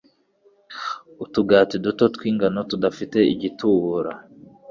Utugati duto tw’ingano tudafite igitubura,